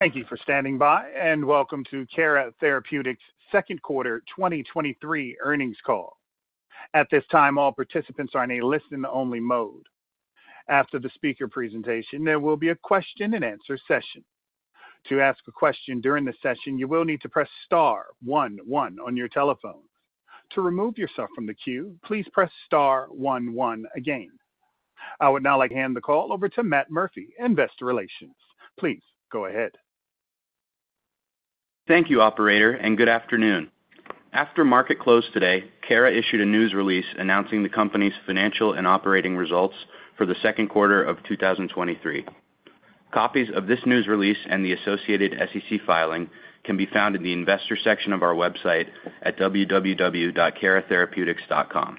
Thank you for standing by, and welcome to Cara Therapeutics' Q2 2023 Earnings Call. At this time, all participants are in a listen-only mode. After the speaker presentation, there will be a question-and-answer session. To ask a question during the session, you will need to press star 11 on your telephone. To remove yourself from the queue, please press star 11 again. I would now like to hand the call over to Matt Murphy, Investor Relations. Please go ahead. Thank you, operator, good afternoon. After market close today, Cara issued a news release announcing the company's financial and operating results for the Q2 of 2023. Copies of this news release and the associated SEC filing can be found in the investor section of our website at www.caratherapeutics.com.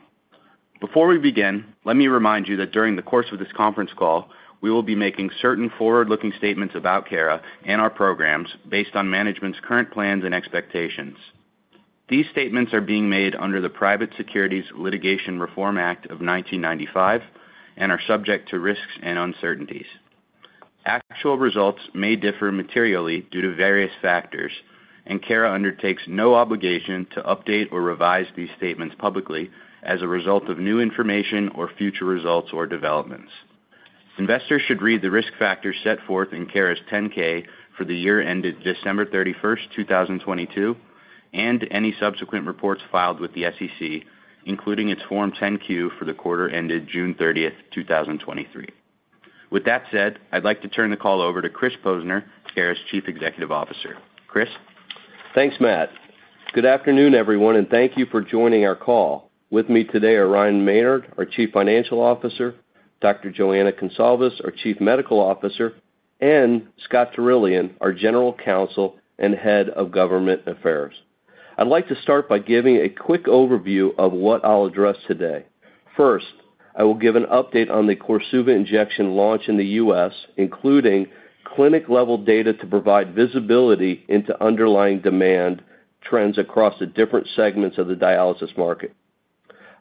Before we begin, let me remind you that during the course of this conference call, we will be making certain forward-looking statements about Cara and our programs based on management's current plans and expectations. These statements are being made under the Private Securities Litigation Reform Act of 1995 and are subject to risks and uncertainties. Actual results may differ materially due to various factors, and Cara undertakes no obligation to update or revise these statements publicly as a result of new information or future results or developments. Investors should read the risk factors set forth in Cara's 10-K for the year ended December 31, 2022, and any subsequent reports filed with the SEC, including its Form 10-Q for the quarter ended June 30, 2023. With that said, I'd like to turn the call over to Chris Posner, Cara's Chief Executive Officer. Chris? Thanks, Matt. Good afternoon, everyone, and thank you for joining our call. With me today are Ryan Maynard, our Chief Financial Officer, Dr. Joanna Konsalvo, our Chief Medical Officer, and Scott Terillian, our General Counsel and Head of Government Affairs. I'd like to start by giving a quick overview of what I'll address today. First, I will give an update on the Korsuva injection launch in the U.S., including clinic-level data to provide visibility into underlying demand trends across the different segments of the dialysis market.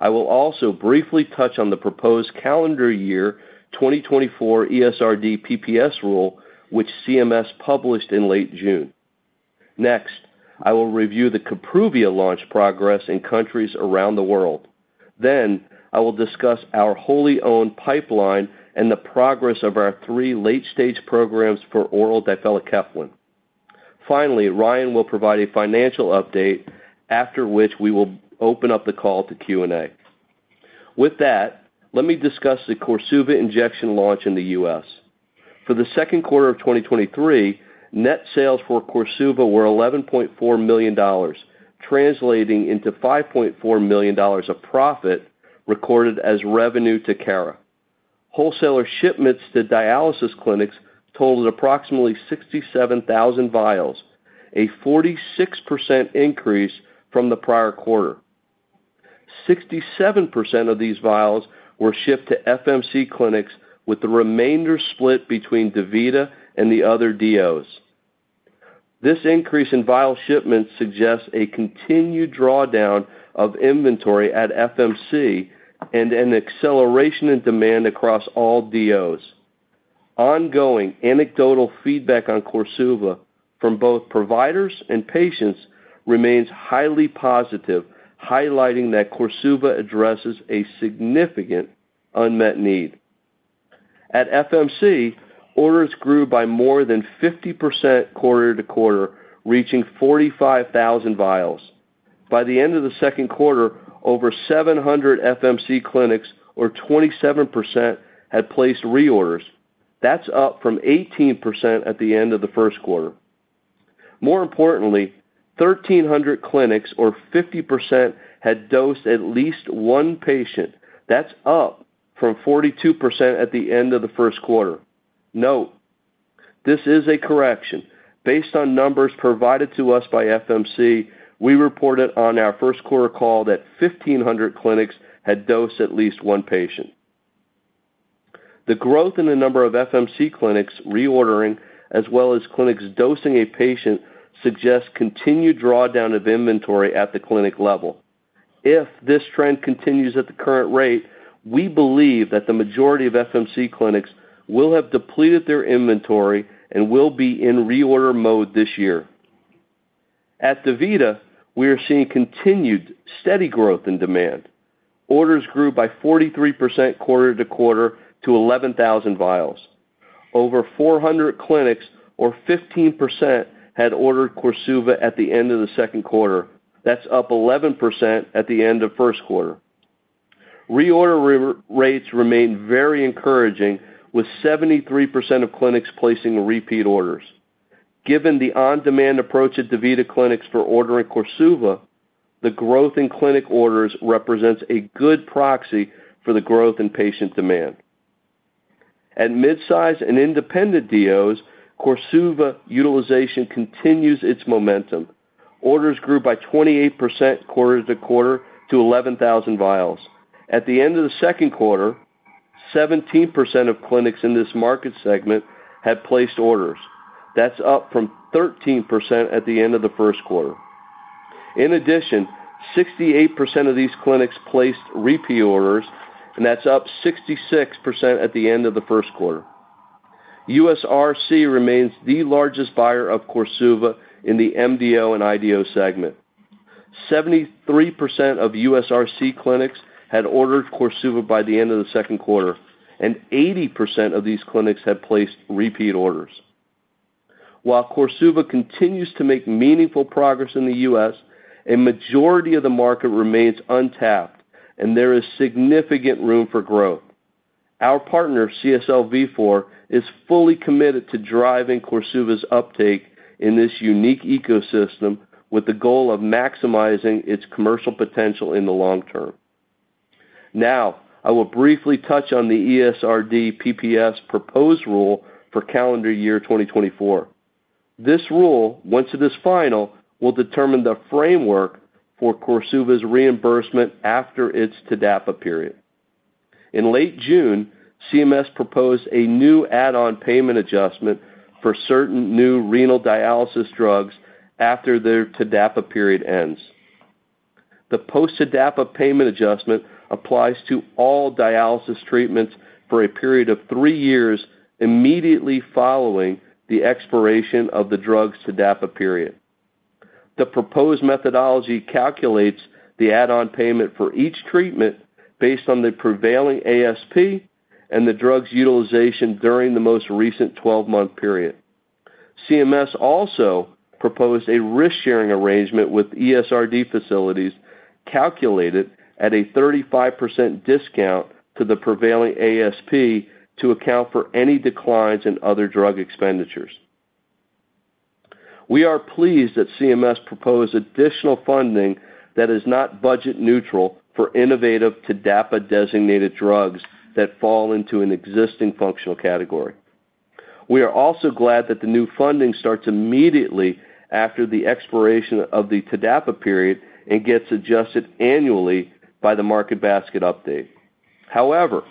I will also briefly touch on the proposed calendar year 2024 ESRD PPS rule, which CMS published in late June. Next, I will review the Kapruvia launch progress in countries around the world. Then, I will discuss our wholly owned pipeline and the progress of our three late-stage programs for oral difelikefalin. Finally, Ryan will provide a financial update, after which we will open up the call to Q&A. With that, let me discuss the Korsuva injection launch in the US. For the Q2 of 2023, net sales for Korsuva were $11.4 million, translating into $5.4 million of profit recorded as revenue to Cara. Wholesaler shipments to dialysis clinics totaled approximately 67,000 vials, a 46% increase from the prior quarter. 67% of these vials were shipped to FMC clinics, with the remainder split between DaVita and the other DOs. This increase in vial shipments suggests a continued drawdown of inventory at FMC and an acceleration in demand across all DOs. Ongoing anecdotal feedback on Korsuva from both providers and patients remains highly positive, highlighting that Korsuva addresses a significant unmet need. At FMC, orders grew by more than 50% quarter-to-quarter, reaching 45,000 vials. By the end of the Q2, over 700 FMC clinics, or 27%, had placed reorders. That's up from 18% at the end of the Q1. More importantly, 1,300 clinics, or 50%, had dosed at least one patient. That's up from 42% at the end of the Q1. Note: this is a correction. Based on numbers provided to us by FMC, we reported on our Q1 call that 1,500 clinics had dosed at least one patient. The growth in the number of FMC clinics reordering, as well as clinics dosing a patient, suggests continued drawdown of inventory at the clinic level. If this trend continues at the current rate, we believe that the majority of FMC clinics will have depleted their inventory and will be in reorder mode this year. At DaVita, we are seeing continued steady growth in demand. Orders grew by 43% quarter-to-quarter to 11,000 vials. Over 400 clinics, or 15%, had ordered Korsuva at the end of the Q2. That's up 11% at the end of Q1. Reorder rates remain very encouraging, with 73% of clinics placing repeat orders. Given the on-demand approach at DaVita clinics for ordering Korsuva, the growth in clinic orders represents a good proxy for the growth in patient demand. At midsize and independent DOs, Korsuva utilization continues its momentum. Orders grew by 28% quarter-to-quarter to 11,000 vials. At the end of the Q2, 17% of clinics in this market segment had placed orders. That's up from 13% at the end of the Q1. In addition, 68% of these clinics placed repeat orders, that's up 66% at the end of the Q1. USRC remains the largest buyer of Korsuva in the MDO and IDO segment. 73% of USRC clinics had ordered Korsuva by the end of the Q2, 80% of these clinics had placed repeat orders. While Korsuva continues to make meaningful progress in the US, a majority of the market remains untapped, there is significant room for growth. Our partner, CSL Vifor, is fully committed to driving Korsuva's uptake in this unique ecosystem, with the goal of maximizing its commercial potential in the long term. Now, I will briefly touch on the ESRD PPS proposed rule for calendar year 2024. This rule, once it is final, will determine the framework for Korsuva's reimbursement after its TDAPA period. In late June, CMS proposed a new add-on payment adjustment for certain new renal dialysis drugs after their TDAPA period ends. The post-TDAPA payment adjustment applies to all dialysis treatments for a period of three years, immediately following the expiration of the drug's TDAPA period. The proposed methodology calculates the add-on payment for each treatment based on the prevailing ASP and the drug's utilization during the most recent 12-month period. CMS also proposed a risk-sharing arrangement with ESRD facilities, calculated at a 35% discount to the prevailing ASP to account for any declines in other drug expenditures. We are pleased that CMS proposed additional funding that is not budget neutral for innovative TDAPA-designated drugs that fall into an existing functional category. We are also glad that the new funding starts immediately after the expiration of the TDAPA period and gets adjusted annually by the market basket update. However,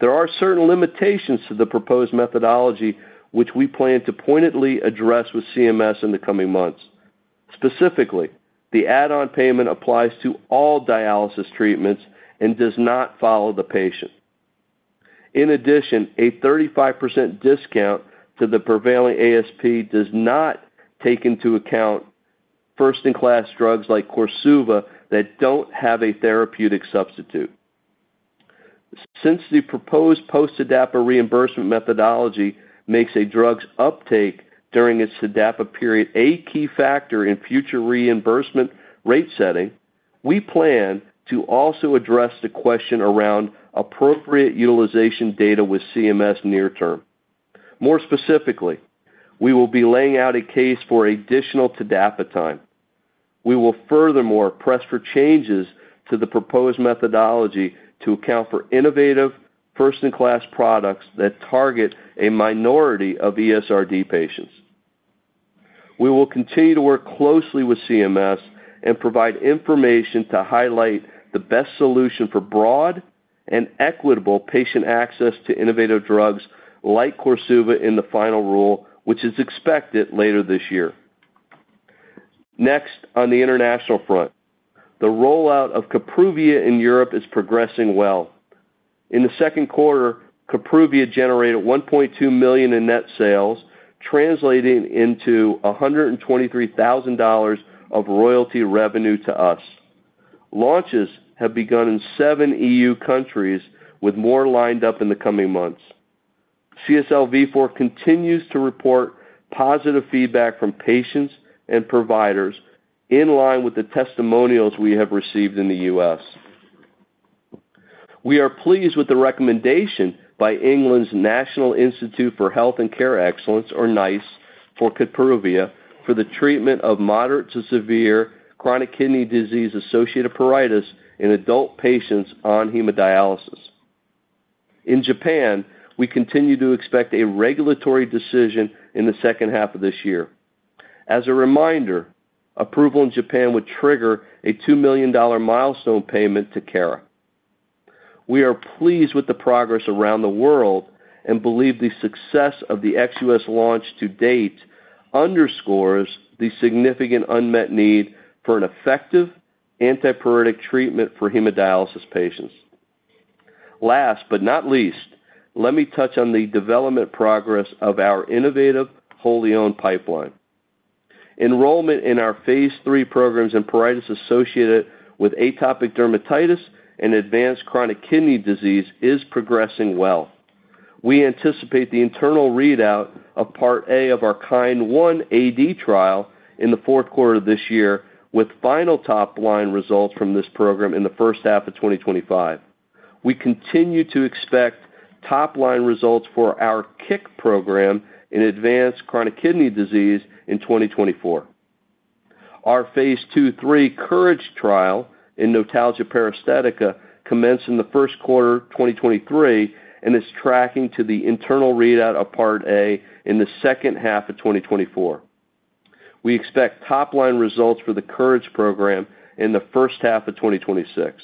there are certain limitations to the proposed methodology, which we plan to pointedly address with CMS in the coming months. Specifically, the add-on payment applies to all dialysis treatments and does not follow the patient. In addition, a 35% discount to the prevailing ASP does not take into account first-in-class drugs like Korsuva that don't have a therapeutic substitute. Since the proposed post-TDAPA reimbursement methodology makes a drug's uptake during its TDAPA period a key factor in future reimbursement rate setting, we plan to also address the question around appropriate utilization data with CMS near term. More specifically, we will be laying out a case for additional TDAPA time. We will furthermore press for changes to the proposed methodology to account for innovative, first-in-class products that target a minority of ESRD patients. We will continue to work closely with CMS and provide information to highlight the best solution for broad and equitable patient access to innovative drugs like Korsuva in the final rule, which is expected later this year. Next, on the international front, the rollout of Kapruvia in Europe is progressing well. In the Q2, Kapruvia generated $1.2 million in net sales, translating into $123,000 of royalty revenue to us. Launches have begun in seven EU countries, with more lined up in the coming months. CSL Vifor continues to report positive feedback from patients and providers, in line with the testimonials we have received in the US. We are pleased with the recommendation by England's National Institute for Health and Care Excellence, or NICE, for Kapruvia for the treatment of moderate to severe chronic kidney disease-associated pruritus in adult patients on hemodialysis. In Japan, we continue to expect a regulatory decision in the second half of this year. As a reminder, approval in Japan would trigger a $2 million milestone payment to Cara. We are pleased with the progress around the world and believe the success of the ex US launch to date underscores the significant unmet need for an effective antipruritic treatment for hemodialysis patients. Last but not least, let me touch on the development progress of our innovative, wholly-owned pipeline. Enrollment in our phase III programs and pruritus associated with atopic dermatitis and advanced chronic kidney disease is progressing well. We anticipate the internal readout of Part A of our KIND 1 AD trial in the Q4 of this year, with final top-line results from this program in the first half of 2025. We continue to expect top-line results for our KICK program in advanced chronic kidney disease in 2024. Our phase 2/3 COURAGE trial in notalgia paresthetica commenced in the Q1 of 2023 and is tracking to the internal readout of Part A in the second half of 2024. We expect top-line results for the COURAGE program in the first half of 2026.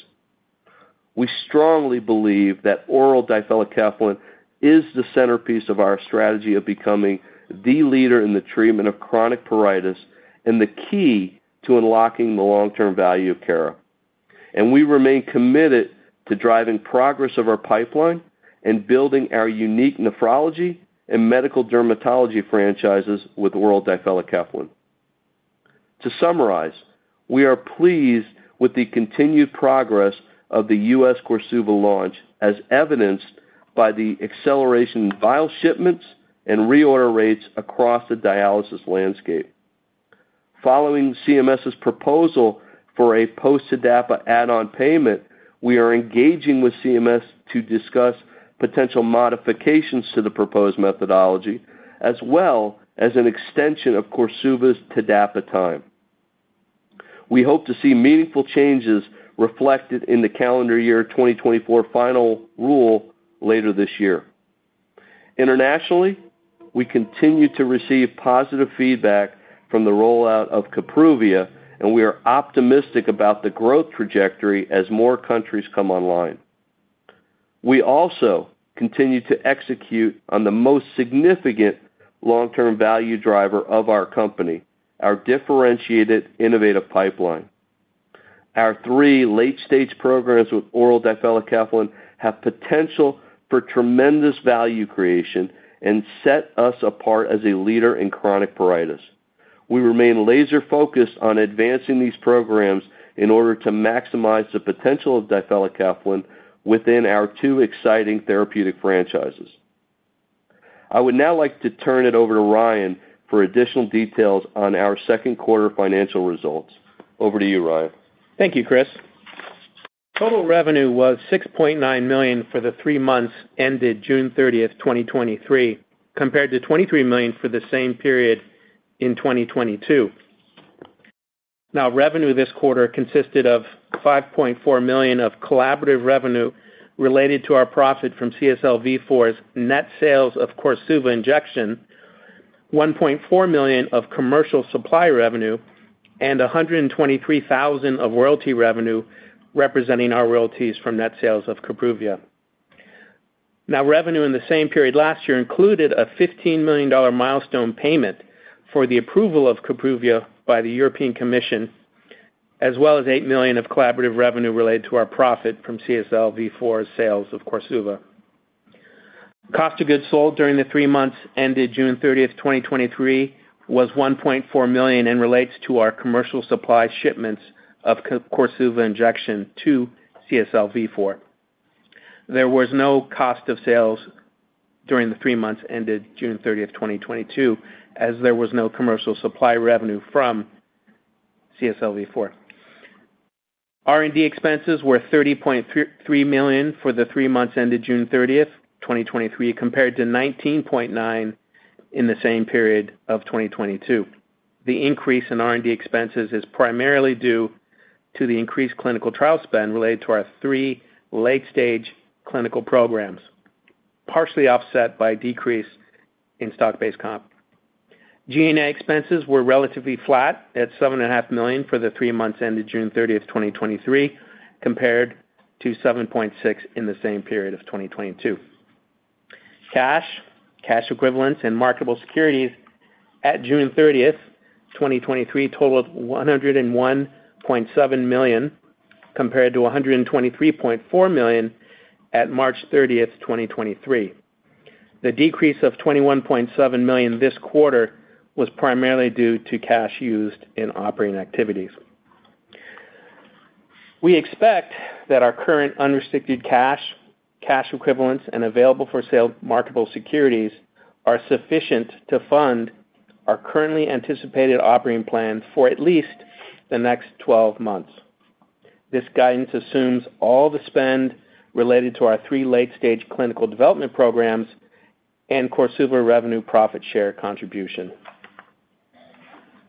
We strongly believe that oral difelikefalin is the centerpiece of our strategy of becoming the leader in the treatment of chronic pruritus and the key to unlocking the long-term value of Cara. We remain committed to driving progress of our pipeline and building our unique nephrology and medical dermatology franchises with oral difelikefalin. To summarize, we are pleased with the continued progress of the U.S. Korsuva launch, as evidenced by the acceleration in vial shipments and reorder rates across the dialysis landscape. Following CMS's proposal for a post-TDAPA add-on payment, we are engaging with CMS to discuss potential modifications to the proposed methodology, as well as an extension of Korsuva's TDAPA time. We hope to see meaningful changes reflected in the calendar year 2024 final rule later this year. Internationally, we continue to receive positive feedback from the rollout of Kapruvia, and we are optimistic about the growth trajectory as more countries come online. We also continue to execute on the most significant long-term value driver of our company, our differentiated innovative pipeline. Our three late-stage programs with oral difelikefalin have potential for tremendous value creation and set us apart as a leader in chronic pruritus. We remain laser-focused on advancing these programs in order to maximize the potential of difelikefalin within our two exciting therapeutic franchises. I would now like to turn it over to Ryan for additional details on our Q2 financial results. Over to you, Ryan. Thank you, Chris. Total revenue was $6.9 million for the three months ended June 30th, 2023, compared to $23 million for the same period in 2022. Revenue this quarter consisted of $5.4 million of collaborative revenue related to our profit from CSL Vifor's net sales of Korsuva injection, $1.4 million of commercial supply revenue, and $123,000 of royalty revenue, representing our royalties from net sales of Kapruvia. Revenue in the same period last year included a $15 million milestone payment for the approval of Kapruvia by the European Commission, as well as $8 million of collaborative revenue related to our profit from CSL Vifor's sales of Korsuva. Cost of goods sold during the three months ended June 30th, 2023, was $1.4 million and relates to our commercial supply shipments of Korsuva injection to CSL Vifor. There was no cost of sales during the three months ended June 30th, 2022, as there was no commercial supply revenue from CSL Vifor. R&D expenses were $30.3 million for the three months ended June 30th, 2023, compared to $19.9 million in the same period of 2022. The increase in R&D expenses is primarily due to the increased clinical trial spend related to our three late-stage clinical programs, partially offset by decrease in stock-based comp. G&A expenses were relatively flat at $7.5 million for the three months ended June 30th, 2023, compared to $7.6 million in the same period of 2022. Cash, cash equivalents, and marketable securities at June 30, 2023, totaled $101.7 million, compared to $123.4 million at March 30, 2023. The decrease of $21.7 million this quarter was primarily due to cash used in operating activities. We expect that our current unrestricted cash, cash equivalents, and available-for-sale marketable securities are sufficient to fund our currently anticipated operating plan for at least the next 12 months. This guidance assumes all the spend related to our three late-stage clinical development programs and Korsuva revenue profit share contribution.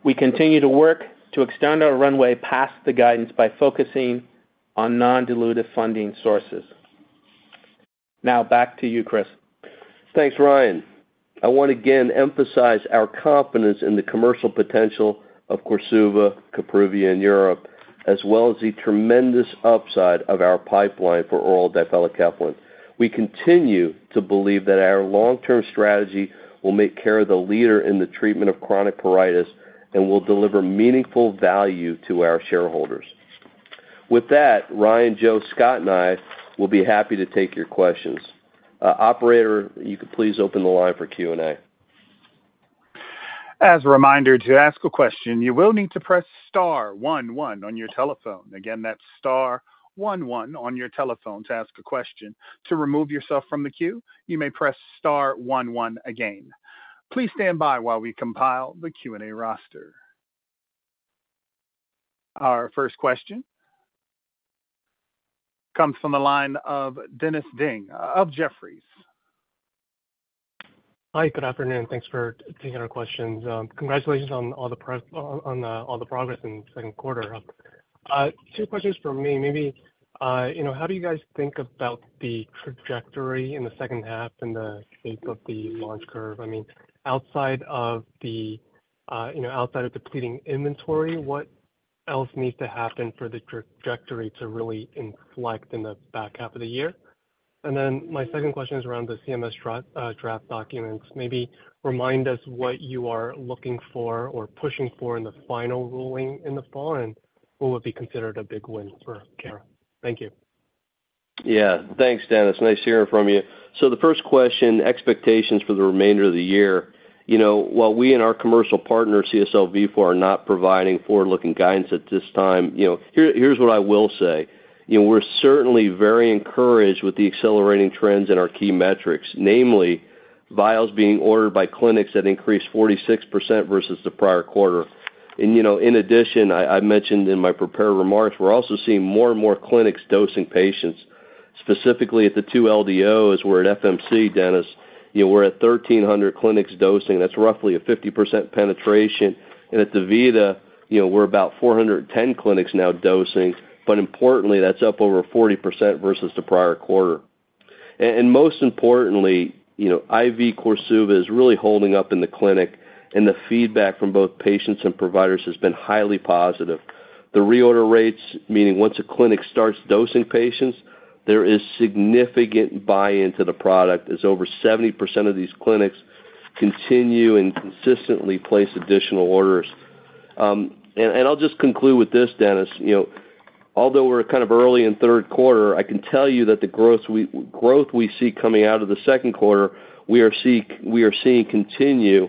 We continue to work to extend our runway past the guidance by focusing on non-dilutive funding sources. Back to you, Chris. Thanks, Ryan. I want again emphasize our confidence in the commercial potential of Korsuva, Kapruvia in Europe, as well as the tremendous upside of our pipeline for oral difelikefalin. We continue to believe that our long-term strategy will make Cara the leader in the treatment of chronic pruritus and will deliver meaningful value to our shareholders. With that, Ryan, Joe, Scott, and I will be happy to take your questions. Operator, you could please open the line for Q&A. As a reminder, to ask a question, you will need to press star one, one on your telephone. Again, that's star one, one on your telephone to ask a question. To remove yourself from the queue, you may press star one, one again. Please stand by while we compile the Q&A roster. Our first question comes from the line of Dennis Ding of Jefferies. Hi, good afternoon. Thanks for taking our questions. Congratulations on all the progress in the Q2. 2 questions from me. Maybe, you know, how do you guys think about the trajectory in the second half and the shape of the launch curve? I mean, outside of the, you know, outside of depleting inventory, what else needs to happen for the trajectory to really inflect in the back half of the year? My 2nd question is around the CMS draft documents. Maybe remind us what you are looking for or pushing for in the final ruling in the fall, and what would be considered a big win for Cara? Thank you. Yeah. Thanks, Dennis. Nice hearing from you. The first question, expectations for the remainder of the year. You know, while we and our commercial partner, CSL Vifor, are not providing forward-looking guidance at this time, you know, here, here's what I will say. You know, we're certainly very encouraged with the accelerating trends in our key metrics, namely vials being ordered by clinics that increased 46% versus the prior quarter. You know, in addition, I, I mentioned in my prepared remarks, we're also seeing more and more clinics dosing patients, specifically at the two LDOs. We're at FMC, Dennis. You know, we're at 1,300 clinics dosing. That's roughly a 50% penetration. At DaVita, you know, we're about 410 clinics now dosing, but importantly, that's up over 40% versus the prior quarter. Most importantly, you know, IV Korsuva is really holding up in the clinic, and the feedback from both patients and providers has been highly positive. The reorder rates, meaning once a clinic starts dosing patients, there is significant buy-in to the product, as over 70% of these clinics continue and consistently place additional orders. And I'll just conclude with this, Dennis. You know, although we're kind of early in Q3, I can tell you that the growth we see coming out of the Q2, we are seeing continue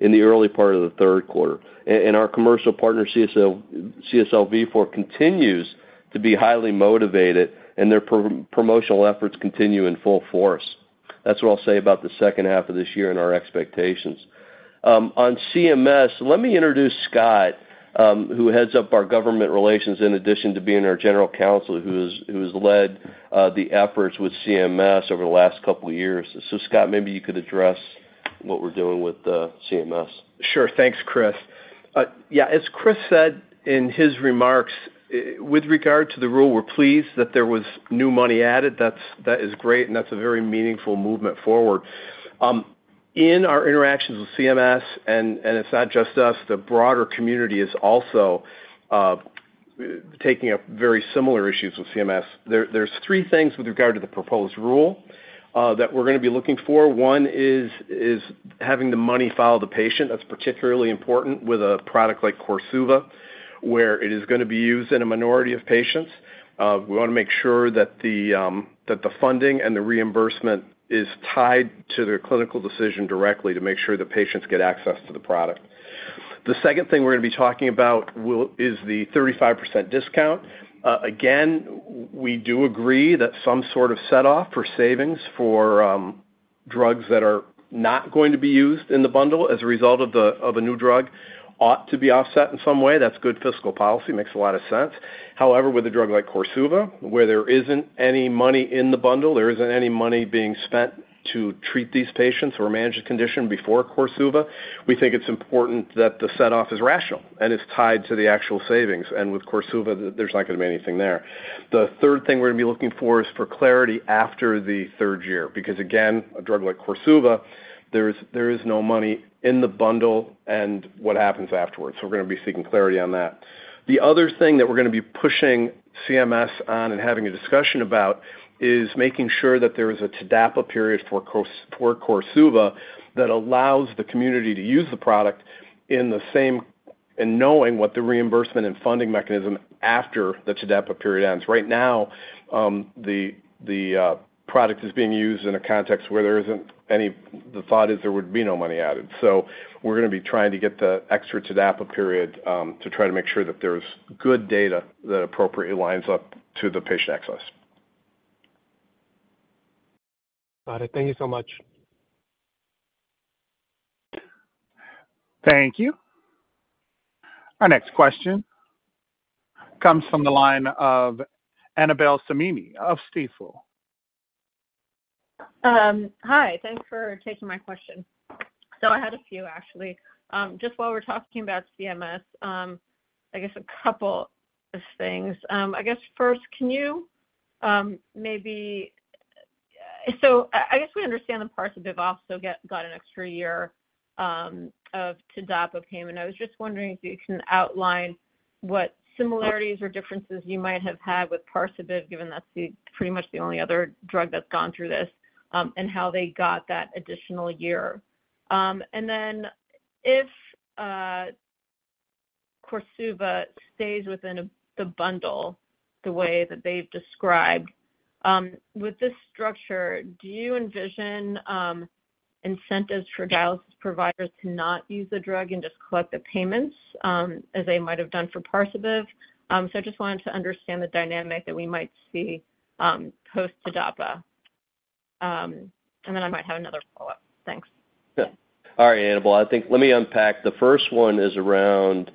in the early part of the Q3. And our commercial partner, CSL, CSL Vifor, continues to be highly motivated, and their promotional efforts continue in full force. That's what I'll say about the second half of this year and our expectations. On CMS, let me introduce Scott, who heads up our government relations, in addition to being our General Counsel, who has, who has led the efforts with CMS over the last couple of years. Scott, maybe you could address what we're doing with CMS. Sure. Thanks, Chris. Yeah, as Chris said in his remarks, with regard to the rule, we're pleased that there was new money added. That's, that is great, and that's a very meaningful movement forward. In our interactions with CMS, and it's not just us, the broader community is also taking up very similar issues with CMS. There's three things with regard to the proposed rule that we're gonna be looking for. One is having the money follow the patient. That's particularly important with a product like Korsuva, where it is gonna be used in a minority of patients. We wanna make sure that the funding and the reimbursement is tied to their clinical decision directly to make sure the patients get access to the product. The second thing we're gonna be talking about is the 35% discount. Again, we do agree that some sort of set off for savings for drugs that are not going to be used in the bundle as a result of the, of a new drug ought to be offset in some way. That's good fiscal policy. Makes a lot of sense. However, with a drug like Korsuva, where there isn't any money in the bundle, there isn't any money being spent to treat these patients or manage a condition before Korsuva, we think it's important that the set off is rational and is tied to the actual savings. With Korsuva, there's not gonna be anything there. The third thing we're gonna be looking for is for clarity after the third year, because, again, a drug like Korsuva, there is, there is no money in the bundle and what happens afterwards. We're gonna be seeking clarity on that. The other thing that we're gonna be pushing CMS on and having a discussion about is making sure that there is a TDAPA period for Korsuva, that allows the community to use the product in the same. Knowing what the reimbursement and funding mechanism after the TDAPA period ends. Right now, the product is being used in a context where there isn't any. The thought is there would be no money added. We're gonna be trying to get the extra TDAPA period to try to make sure that there's good data that appropriately lines up to the patient access. Got it. Thank you so much. Thank you. Our next question comes from the line of Annabel Samimi of Stifel. Hi, thanks for taking my question. I had a few, actually. Just while we're talking about CMS, I guess a couple of things. I guess first, I guess we understand the Parsabiv also got an extra year of TDAPA payment. I was just wondering if you can outline what similarities or differences you might have had with Parsabiv, given that's the pretty much the only other drug that's gone through this, and how they got that additional year? Then if Korsuva stays within the bundle the way that they've described, with this structure, do you envision incentives for dialysis providers to not use the drug and just collect the payments, as they might have done for Parsabiv? Just wanted to understand the dynamic that we might see, post-TDAPA. I might have another follow-up. Thanks. Yeah. All right, Annabel, I think let me unpack. The first one is around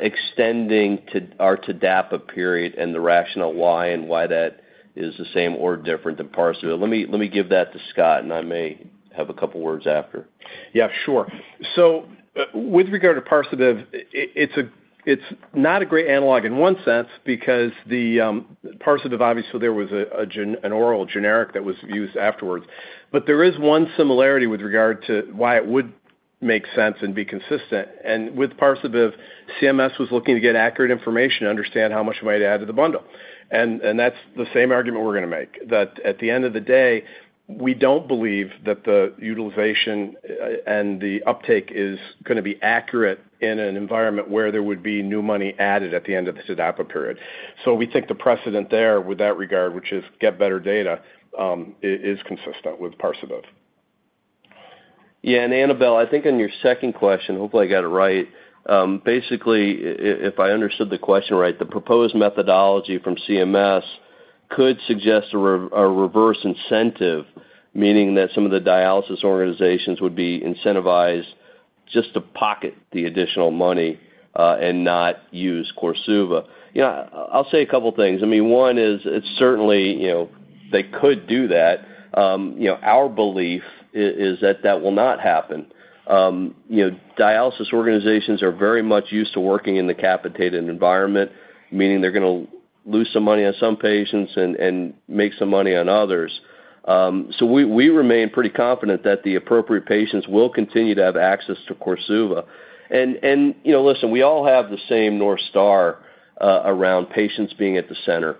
extending to our TDAPA period and the rationale why and why that is the same or different than Parsabiv. Let me, let me give that to Scott, and I may have a couple words after. Yeah, sure. With regard to Parsabiv, it, it's not a great analog in one sense because the, Parsabiv, obviously, there was a, an oral generic that was used afterwards. There is one similarity with regard to why it would-. make sense and be consistent. With Parsabiv, CMS was looking to get accurate information to understand how much weight to add to the bundle. That's the same argument we're going to make, that at the end of the day, we don't believe that the utilization and the uptake is gonna be accurate in an environment where there would be new money added at the end of the TDAPA period. We think the precedent there with that regard, which is get better data, is consistent with Parsabiv. Yeah, Annabel, I think on your second question, hopefully, I got it right. Basically, if I understood the question right, the proposed methodology from CMS could suggest a reverse incentive, meaning that some of the dialysis organizations would be incentivized just to pocket the additional money and not use Korsuva. You know, I'll say a couple of things. I mean, one is, it's certainly, you know, they could do that. You know, our belief is that, that will not happen. You know, dialysis organizations are very much used to working in the capitated environment, meaning they're gonna lose some money on some patients and, and make some money on others. We, we remain pretty confident that the appropriate patients will continue to have access to Korsuva. You know, listen, we all have the same North Star around patients being at the center.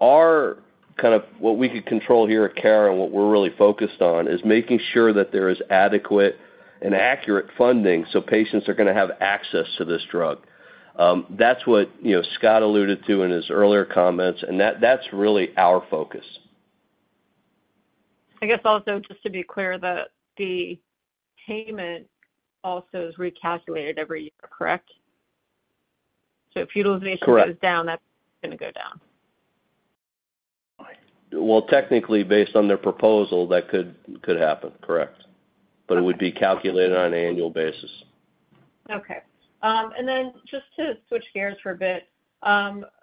Our kind of what we could control here at Cara, and what we're really focused on, is making sure that there is adequate and accurate funding, so patients are gonna have access to this drug. That's what, you know, Scott alluded to in his earlier comments, and that's really our focus. I guess also, just to be clear, the, the payment also is recalculated every year, correct? So if utilization- Correct. goes down, that's gonna go down. Well, technically, based on their proposal, that could, could happen, correct. It would be calculated on an annual basis. Okay. Then just to switch gears for a bit,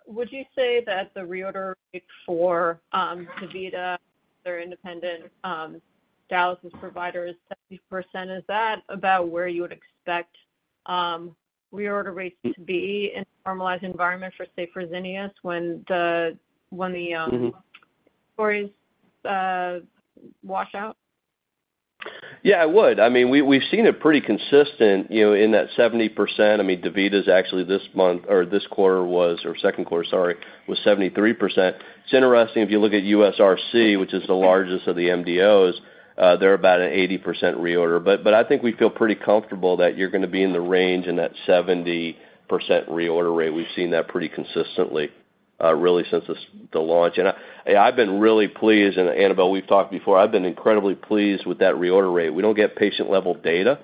would you say that the reorder rate for, DaVita, their independent, dialysis provider, is 70%, is that about where you would expect, reorder rates to be in a formalized environment for, say, Fresenius, when the, when the, Mm-hmm. inventories, wash out? Yeah, I would. I mean, we, we've seen it pretty consistent, you know, in that 70%. I mean, DaVita is actually this month or this quarter was, or Q2, sorry, was 73%. It's interesting, if you look at USRC, which is the largest of the MDOs, they're about an 80% reorder. But I think we feel pretty comfortable that you're gonna be in the range in that 70% reorder rate. We've seen that pretty consistently, really since the, the launch. And I, I've been really pleased, and Annabel, we've talked before. I've been incredibly pleased with that reorder rate. We don't get patient-level data.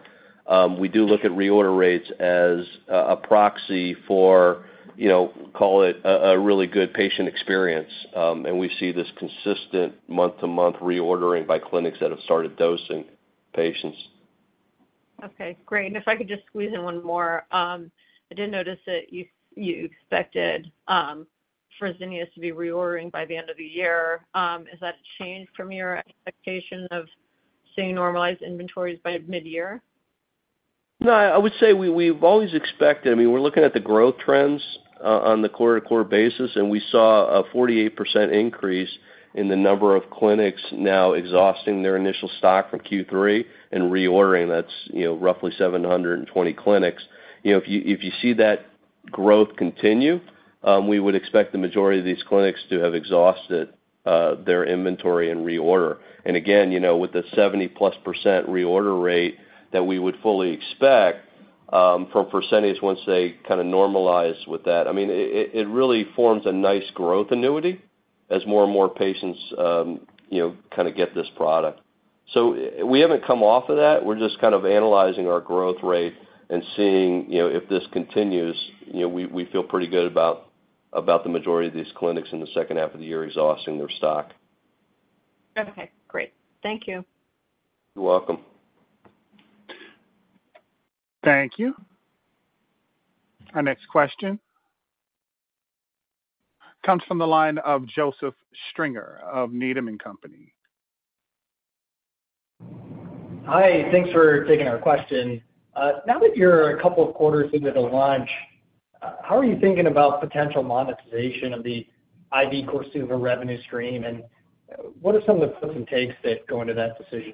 We do look at reorder rates as a, a proxy for, you know, call it a, a really good patient experience. And we see this consistent month-to-month reordering by clinics that have started dosing patients. Okay, great. If I could just squeeze in one more. I did notice that you, you expected, Fresenius to be reordering by the end of the year. Has that changed from your expectation of seeing normalized inventories by mid-year? I would say we, we've always expected, I mean, we're looking at the growth trends on the quarter-to-quarter basis, and we saw a 48% increase in the number of clinics now exhausting their initial stock from Q3 and reordering. That's, you know, roughly 720 clinics. You know, if you, if you see that growth continue, we would expect the majority of these clinics to have exhausted their inventory and reorder. Again, you know, with the 70%+ reorder rate that we would fully expect from percentage once they kinda normalize with that, I mean, it, it, it really forms a nice growth annuity as more and more patients, you know, kinda get this product. We haven't come off of that. We're just kind of analyzing our growth rate and seeing, you know, if this continues, you know, we, we feel pretty good about, about the majority of these clinics in the second half of the year exhausting their stock. Okay, great. Thank you. You're welcome. Thank you. Our next question comes from the line of Joseph Stringer of Needham & Company. Hi, thanks for taking our question. Now that you're a couple of quarters into the launch, how are you thinking about potential monetization of the IV Korsuva revenue stream, and what are some of the gives and takes that go into that decision?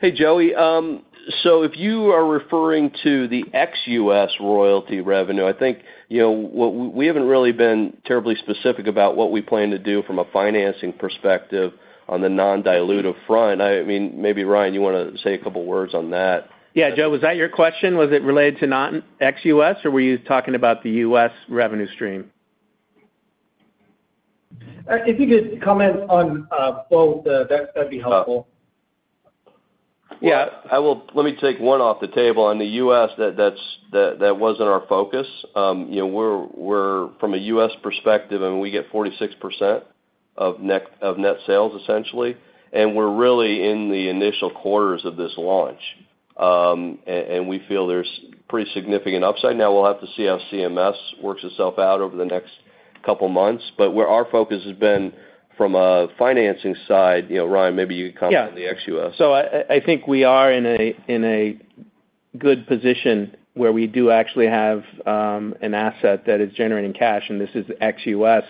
Hey, Joey. If you are referring to the ex-US royalty revenue, I think, you know, we, we haven't really been terribly specific about what we plan to do from a financing perspective on the non-dilutive front. I mean, maybe, Ryan, you wanna say a couple of words on that? Yeah, Joe, was that your question? Was it related to ex-US, or were you talking about the US revenue stream? If you could comment on, both, that, that'd be helpful. Yeah, I will. Let me take one off the table. On the U.S., that wasn't our focus. You know, we're from a U.S. perspective, and we get 46% of net sales, essentially. We're really in the initial quarters of this launch. And we feel there's pretty significant upside. Now, we'll have to see how CMS works itself out over the next couple of months. Where our focus has been from a financing side, you know, Ryan, maybe you can comment. Yeah on the ex-U.S. I think we are in a good position where we do actually have an asset that is generating cash, and this is ex-US.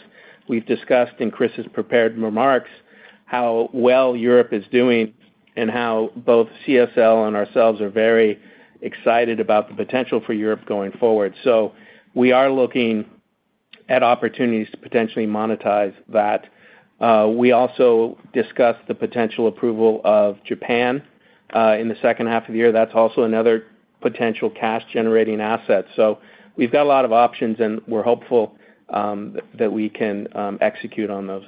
We've discussed in Chris's prepared remarks how well Europe is doing and how both CSL and ourselves are very excited about the potential for Europe going forward. We are looking at opportunities to potentially monetize that. We also discussed the potential approval of Japan in the second half of the year. That's also another potential cash-generating asset. We've got a lot of options, and we're hopeful that we can execute on those.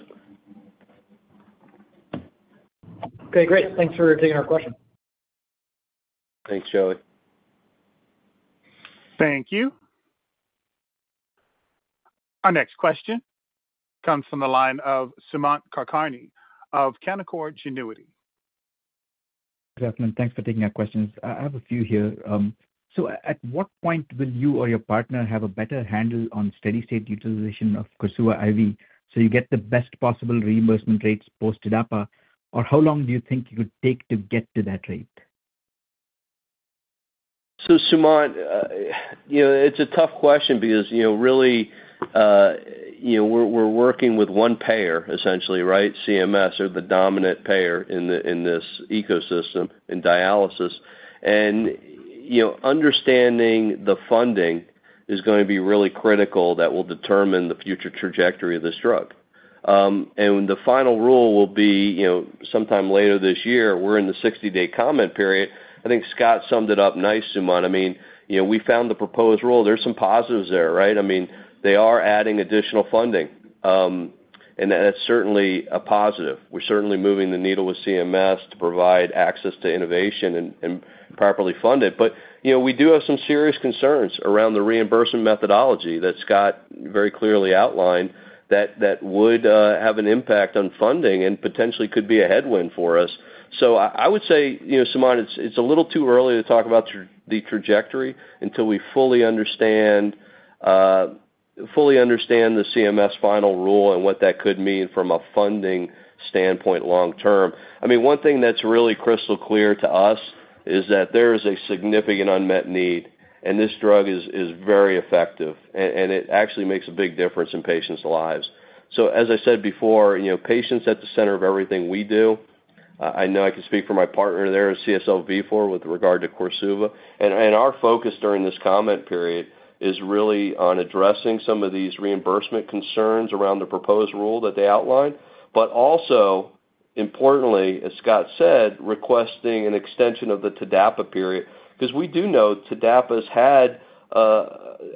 Okay, great. Thanks for taking our question. Thanks, Joey. Thank you. Our next question comes from the line of Sumant Kulkarni of Canaccord Genuity. Good afternoon, thanks for taking our questions. I, I have a few here. At what point will you or your partner have a better handle on steady-state utilization of Korsuva IV, so you get the best possible reimbursement rates post TDAPA? Or how long do you think it would take to get to that rate? Sumant, you know, it's a tough question because, you know, really, you know, we're, we're working with one payer, essentially, right? CMS are the dominant payer in the-- in this ecosystem, in dialysis. Understanding the funding is gonna be really critical. That will determine the future trajectory of this drug. When the final rule will be, you know, sometime later this year, we're in the 60-day comment period. I think Scott summed it up nice, Sumant. I mean, you know, we found the proposed rule. There's some positives there, right? I mean, they are adding additional funding, and that's certainly a positive. We're certainly moving the needle with CMS to provide access to innovation and, and properly fund it. You know, we do have some serious concerns around the reimbursement methodology that Scott very clearly outlined, that, that would have an impact on funding and potentially could be a headwind for us. I, I would say, you know, Sumant, it's, it's a little too early to talk about the trajectory until we fully understand, fully understand the CMS final rule and what that could mean from a funding standpoint long term. I mean, one thing that's really crystal clear to us is that there is a significant unmet need, and this drug is, is very effective, and, and it actually makes a big difference in patients' lives. As I said before, you know, patients at the center of everything we do, I know I can speak for my partner there, CSL Vifor with regard to Korsuva. Our focus during this comment period is really on addressing some of these reimbursement concerns around the proposed rule that they outlined, but also, importantly, as Scott said, requesting an extension of the TDAPA period. We do know TDAPA's had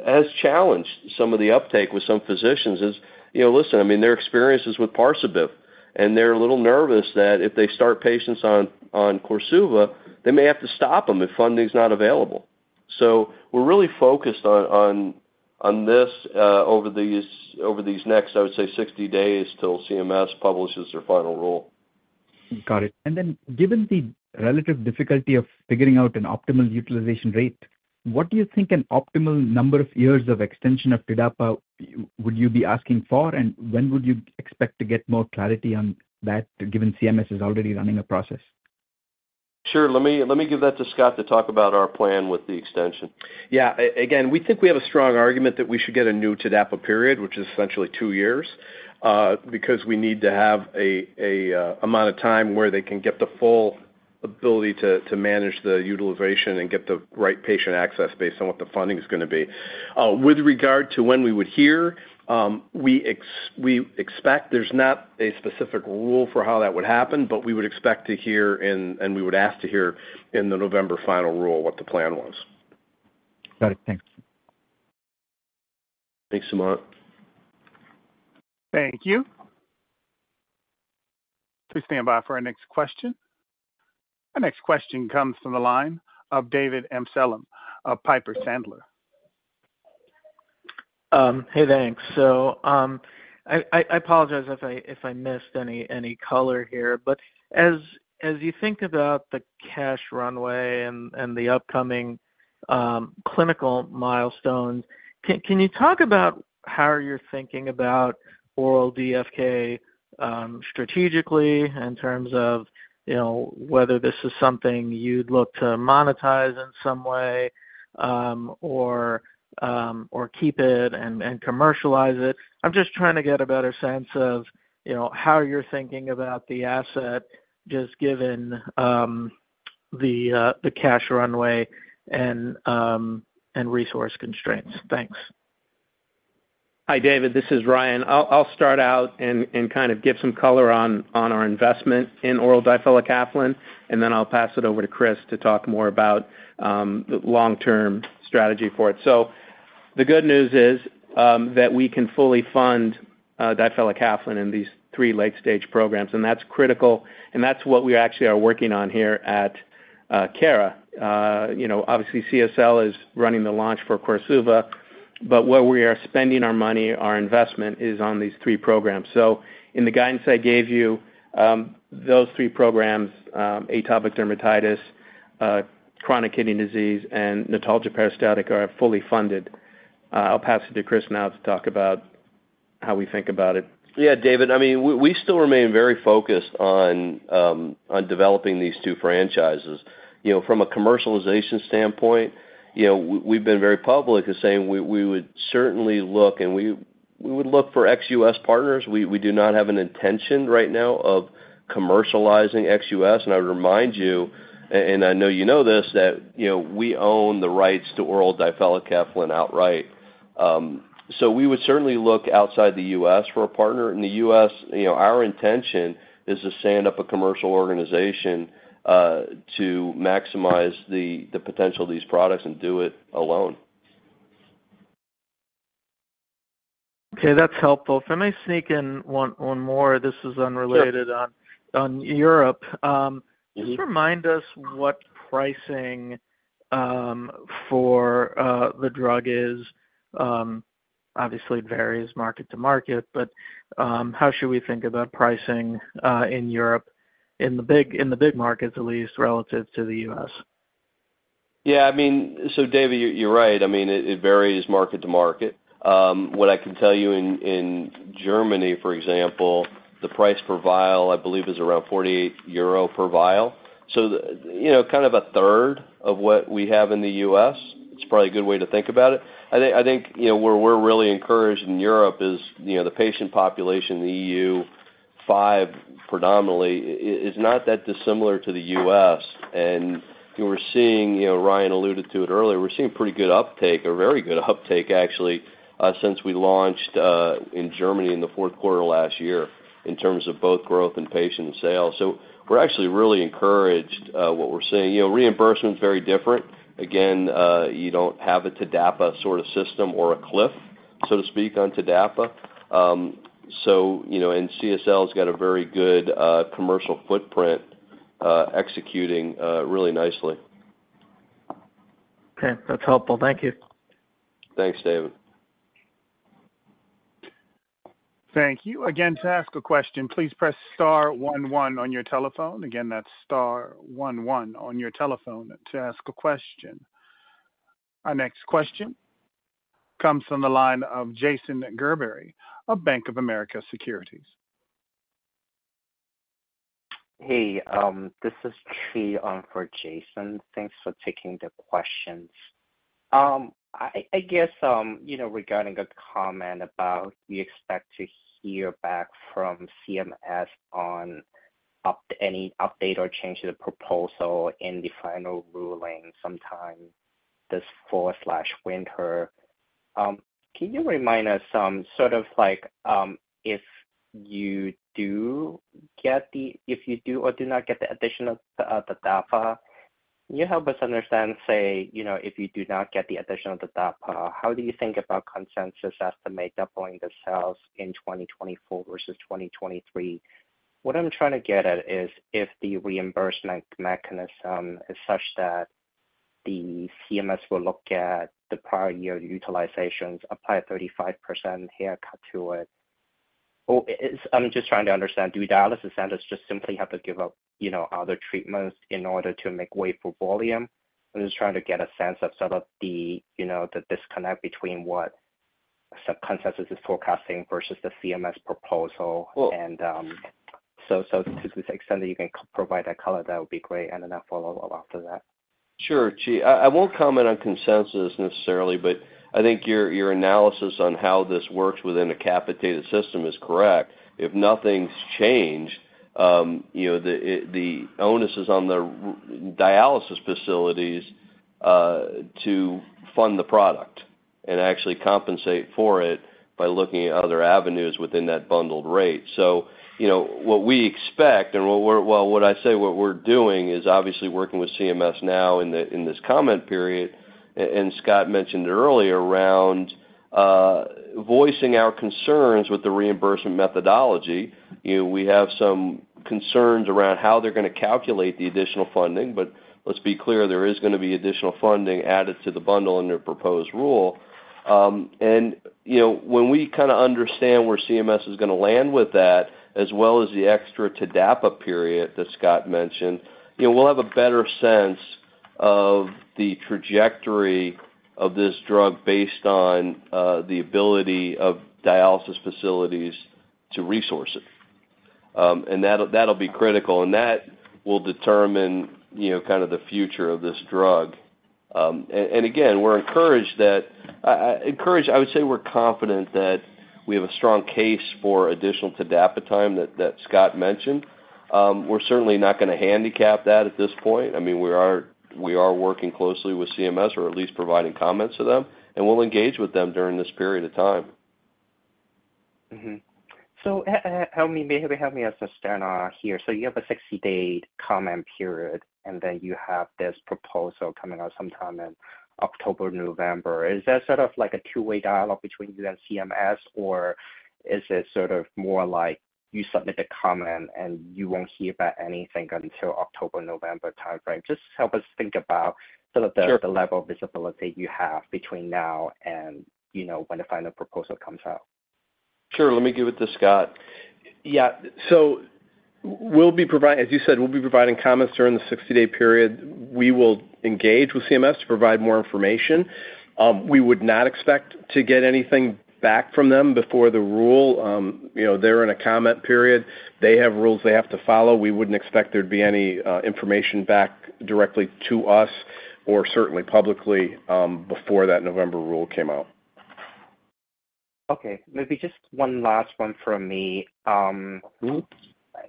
has challenged some of the uptake with some physicians. As, you know, listen, I mean, their experience is with Parsabiv, and they're a little nervous that if they start patients on Korsuva, they may have to stop them if funding is not available. We're really focused on this over these next, I would say, 60 days till CMS publishes their final rule. Got it. Given the relative difficulty of figuring out an optimal utilization rate, what do you think an optimal number of years of extension of TDAPA would you be asking for, and when would you expect to get more clarity on that, given CMS is already running a process? Sure. Let me, let me give that to Scott to talk about our plan with the extension. Yeah. Again, we think we have a strong argument that we should get a new TDAPA period, which is essentially 2 years, because we need to have a amount of time where they can get the full ability to, to manage the utilization and get the right patient access based on what the funding is gonna be. With regard to when we would hear, we expect there's not a specific rule for how that would happen, but we would expect to hear and we would ask to hear in the November final rule what the plan was. Got it. Thanks. Thanks, Sumant. Thank you. Please stand by for our next question. Our next question comes from the line of David Amsellem of Piper Sandler. Hey, thanks. I, I, I apologize if I, if I missed any, any color here. As, as you think about the cash runway and, and the upcoming clinical milestones, can, can you talk about how you're thinking about oral DFK strategically in terms of, you know, whether this is something you'd look to monetize in some way, or, or keep it and, and commercialize it? I'm just trying to get a better sense of, you know, how you're thinking about the asset, just given the cash runway and resource constraints. Thanks. Hi, David, this is Ryan. I'll, I'll start out and, and kind of give some color on, on our investment in oral difelikefalin, and then I'll pass it over to Chris to talk more about the long-term strategy for it. The good news is that we can fully fund difelikefalin in these three late-stage programs, and that's critical, and that's what we actually are working on here at Cara Therapeutics. You know, obviously, CSL is running the launch for Korsuva, but where we are spending our money, our investment is on these three programs. In the guidance I gave you, those three programs, atopic dermatitis, chronic kidney disease, and notalgia paresthetica are fully funded. I'll pass it to Chris now to talk about- how we think about it? Yeah, David, I mean, we, we still remain very focused on developing these two franchises. You know, from a commercialization standpoint, you know, we, we've been very public in saying we, we would certainly look. We, we would look for ex-US partners. We, we do not have an intention right now of commercializing ex-US. I would remind you, and, and I know you know this, that, you know, we own the rights to oral difelikefalin outright. We would certainly look outside the US for a partner. In the US, you know, our intention is to stand up a commercial organization to maximize the potential of these products and do it alone. Okay, that's helpful. If I may sneak in one more, this is unrelated... Sure. on, on Europe. Mm-hmm. just remind us what pricing for the drug is. Obviously, it varies market to market, but how should we think about pricing in Europe, in the big, in the big markets, at least relative to the US? Yeah, I mean, David, you're, you're right. I mean, it, it varies market to market. What I can tell you, in Germany, for example, the price per vial, I believe, is around 48 euro per vial. You know, kind of a third of what we have in the US, it's probably a good way to think about it. I think, I think, you know, where we're really encouraged in Europe is, you know, the patient population in the EU5 predominantly, is, is not that dissimilar to the US. We're seeing, you know, Ryan alluded to it earlier, we're seeing pretty good uptake or very good uptake actually, since we launched in Germany in the Q4 last year, in terms of both growth and patient sales. We're actually really encouraged what we're seeing. You know, reimbursement is very different. You don't have a TDAPA sort of system or a cliff, so to speak, on TDAPA. You know, CSL's got a very good commercial footprint, executing really nicely. Okay, that's helpful. Thank you. Thanks, David. Thank you. Again, to ask a question, please press star one, one on your telephone. Again, that's star one, one on your telephone to ask a question. Our next question comes from the line of Jason Gerberry of Bank of America Securities. Hey, this is Qi on for Jason. Thanks for taking the questions. I, I guess, you know, regarding a comment about you expect to hear back from CMS on any update or change to the proposal in the final ruling sometime this fall/winter. Can you remind us, sort of like, if you do get the -- if you do or do not get the additional, the TDAPA, can you help us understand, say, you know, if you do not get the additional TDAPA, how do you think about consensus estimate doubling the sales in 2024 versus 2023? What I'm trying to get at is, if the reimbursement mechanism is such that the CMS will look at the prior year utilizations, apply a 35% haircut to it. Oh, I'm just trying to understand, do dialysis centers just simply have to give up, you know, other treatments in order to make way for volume? I'm just trying to get a sense of sort of the, you know, the disconnect between what some consensus is forecasting versus the CMS proposal. Well- To the extent that you can provide that color, that would be great, and then a follow-up after that. Sure, Qi. I, I won't comment on consensus necessarily, I think your, your analysis on how this works within a capitated system is correct. If nothing's changed, you know, the onus is on the dialysis facilities to fund the product and actually compensate for it by looking at other avenues within that bundled rate. You know, what we expect, Well, what I'd say what we're doing, is obviously working with CMS now in the, in this comment period, and Scott mentioned earlier, around voicing our concerns with the reimbursement methodology. You know, we have some concerns around how they're gonna calculate the additional funding, let's be clear, there is gonna be additional funding added to the bundle in their proposed rule. You know, when we kind of understand where CMS is gonna land with that, as well as the extra TDAPA period that Scott mentioned, you know, we'll have a better sense of the trajectory of this drug based on the ability of dialysis facilities to resource it. That'll, that'll be critical, and that will determine, you know, kind of the future of this drug. Again, we're encouraged that encouraged, I would say we're confident that we have a strong case for additional TDAPA time that Scott mentioned. We're certainly not gonna handicap that at this point. I mean, we are, we are working closely with CMS, or at least providing comments to them, and we'll engage with them during this period of time. Mm-hmm. Help me, maybe help me understand, here. You have a 60-day comment period, and then you have this proposal coming out sometime in October, November. Is that sort of like a two-way dialogue between you and CMS, or is it sort of more like you submit the comment, and you won't hear back anything until October, November timeframe? Just help us think about sort of the. Sure... the level of visibility you have between now and, you know, when the final proposal comes out. Sure. Let me give it to Scott. Yeah, as you said, we'll be providing comments during the 60-day period. We will engage with CMS to provide more information. We would not expect to get anything back from them before the rule. You know, they're in a comment period. They have rules they have to follow. We wouldn't expect there'd be any information back directly to us, or certainly publicly, before that November rule came out. Okay, maybe just one last one from me.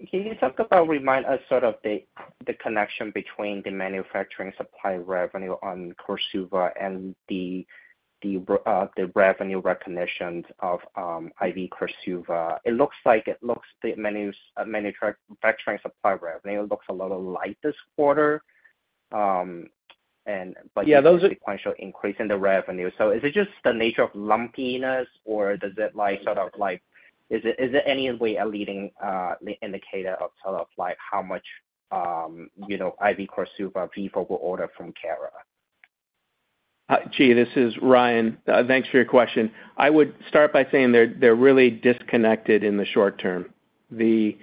Can you talk about, remind us sort of the, the connection between the manufacturing supply revenue on Korsuva and the, the, the revenue recognitions of IV Korsuva? It looks like the manufacturing supply revenue looks a lot light this quarter. Yeah. Sequential increase in the revenue. Is it just the nature of lumpiness, or does it like, sort of like, is it, is it any way a leading, indicator of sort of like how much, you know, IV Korsuva people will order from Cara? Chi, this is Ryan. Thanks for your question. I would start by saying they're, they're really disconnected in the short term. The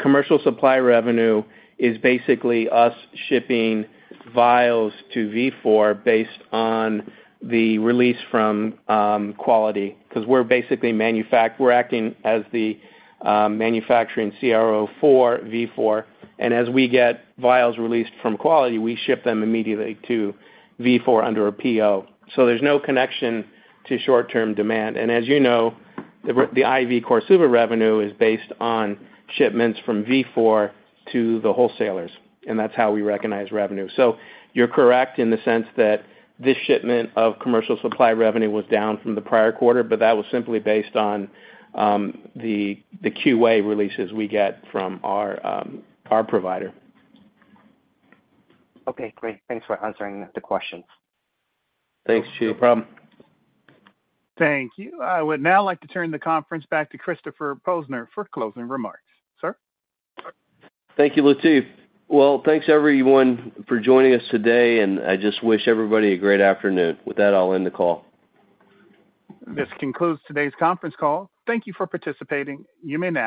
commercial supply revenue is basically us shipping vials to Vifor based on the release from quality, 'cause we're basically acting as the manufacturing CRO for Vifor, as we get vials released from quality, we ship them immediately to Vifor under a PO. There's no connection to short-term demand. As you know, the IV Korsuva revenue is based on shipments from Vifor to the wholesalers, and that's how we recognize revenue. You're correct in the sense that this shipment of commercial supply revenue was down from the prior quarter, but that was simply based on the QA releases we get from our provider. Okay, great. Thanks for answering the questions. Thanks, Chi. No problem. Thank you. I would now like to turn the conference back to Christopher Posner for closing remarks. Sir? Thank you, Latif. Well, thanks everyone for joining us today, and I just wish everybody a great afternoon. With that, I'll end the call. This concludes today's conference call. Thank you for participating. You may now disconnect.